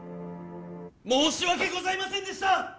申し訳ございませんでした！